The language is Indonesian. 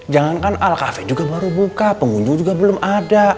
jangankan alkaven juga baru buka pengunjung juga belum ada